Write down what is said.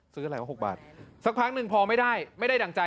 ซื้ออะไรวะ๖บาทสักพักหนึ่งพอไม่ได้ไม่ได้ดั่งใจ